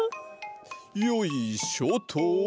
よいしょと！